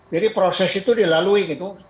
jadi proses itu dilalui gitu